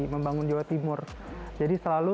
membangun jawa timur jadi selalu